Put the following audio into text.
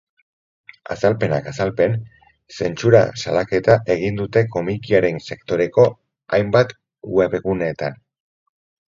Azalpenak azalpen, zentsura salaketa egin dute komikiaren sektoreko hainbat webguneetan.